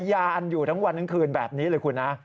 ยาอันอยู่ทั้งวันทั้งคืนแบบนี้เลยคุณนะ